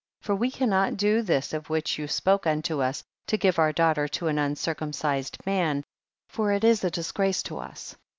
for we cannot do this of which you spoke unto us, to give our daughter to an uncircumcised man, for it is a disgrace to us.